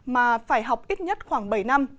mà phải học ít nhất khoảng bảy năm